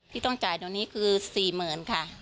พี่ต้องจ่ายตรงนี้คือ๔๐๐๐๐ค่ะ